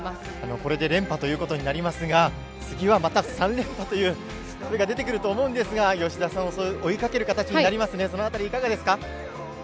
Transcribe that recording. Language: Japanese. これで連覇ということになりますが、次はまた３連覇という夢が出てくると思いますが、吉田さんを追いかける形になりますね、そのあたり、いかがですか？